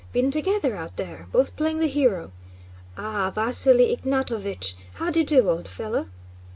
been together out there... both playing the hero... Ah, Vasíli Ignátovich... How d'ye do, old fellow?"